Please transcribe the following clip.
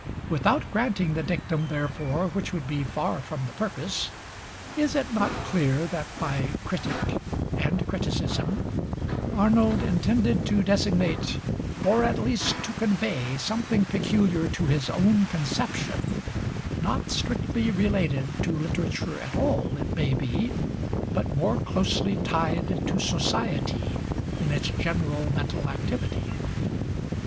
Without granting the dictum, therefore, which would be far from the purpose, is it not clear that by "critic" and "criticism" Arnold intended to designate, or at least to convey, something peculiar to his own conception, not strictly related to literature at all, it may be, but more closely tied to society in its general mental activity?